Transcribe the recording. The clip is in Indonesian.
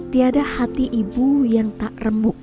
tidak ada hati ibu yang tak remuk